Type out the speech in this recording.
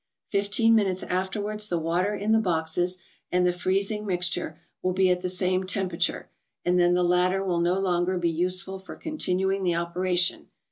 Fifteen minutes afterwards the water in the boxes and the freezing mix¬ ture will be at the same temperature, and then the latter will no longer be useful for continuing the operation.